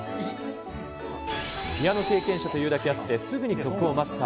ピアノ経験者というだけあって、すぐに曲をマスター。